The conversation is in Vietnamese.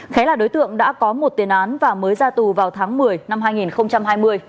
khé là đối tượng đã có một tiền án và mới ra tù vào tháng một mươi năm hai nghìn hai mươi